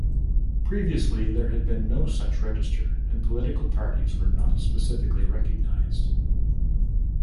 Previously there had been no such register, and political parties were not specially recognised.